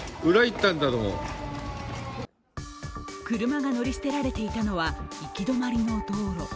車が乗り捨てられていたのは行き止まりの道路。